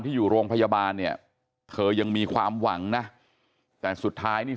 อยู่โรงพยาบาลเนี่ยเธอยังมีความหวังนะแต่สุดท้ายนี่